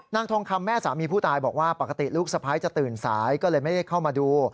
ทองคำแม่สามีผู้ตายบอกว่าปกติลูกสะพ้ายจะตื่นสายก็เลยไม่ได้เข้ามาดู